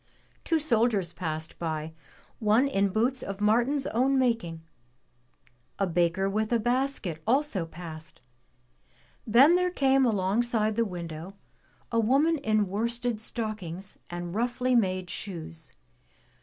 Two soldiers passed by, one in boots of Martin's own making. A baker with a basket also passed. Then there came alongside the window a woman in worsted stockings and roughly made shoes.